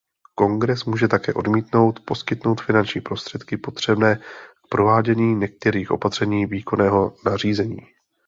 Kongres může také odmítnout poskytnout finanční prostředky potřebné k provádění některých opatření výkonného nařízení.